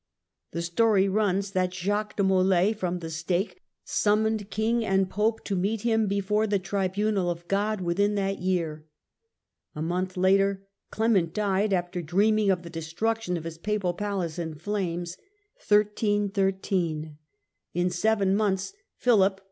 The story runs that Jacques de Molai, from the stake, summoned King and Pope to meet him before the Tribunal of God 'within the year. A month later Clement died after dreaming of the destruction of his Death of ,...., Clement Papal palace m flames; m seven months Philip, with v.